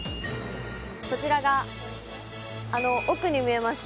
こちらが、奥に見えます